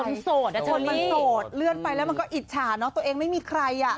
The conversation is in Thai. ความโสภนะฉะนี้ความโสภเลื่อนไปแล้วมันก็อิจฉาเนอะตัวเองไม่มีใคร